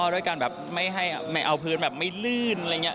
ด้วยการไม่ทำเอาพื้นไม่ลื่น